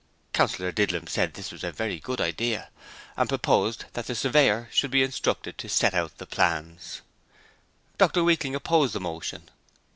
Councillor Didlum said it was a very good idear, and proposed that the Surveyor be instructed to get out the plans. Dr Weakling opposed the motion.